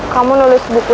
kamu nulis buku